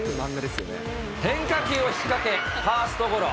変化球をひっかけ、ファーストゴロ。